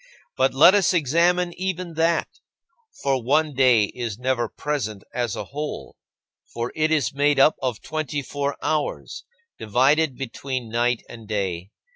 But let us examine even that, for one day is never present as a whole. For it is made up of twenty four hours, divided between night and day.